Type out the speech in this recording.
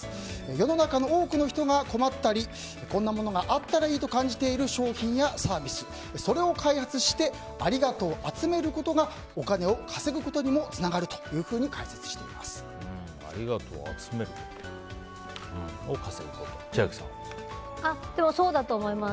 世の中の多くの人が困ったりこんなものがあったらいいと思っている商品やサービス、それを開発してありがとうを集めることがお金を稼ぐことにもつながるありがとうを集めることがそうだと思います。